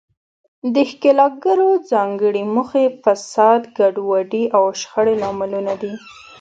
د ښکیلاکګرو ځانګړې موخې، فساد، ګډوډي او شخړې لاملونه دي.